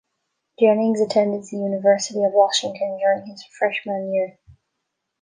Jennings attended the University of Washington during his freshman year.